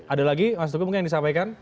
ada lagi mas tugu mungkin yang disampaikan